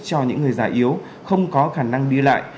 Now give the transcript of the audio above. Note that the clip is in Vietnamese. cho những người già yếu không có khả năng đi lại